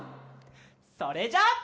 それじゃあ。